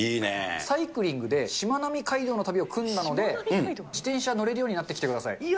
サイクリングでしまなみ海道の旅を組んだので、自転車乗れるになってきてください。